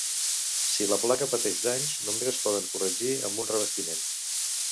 Si la placa pateix danys, només es poden corregir amb un revestiment.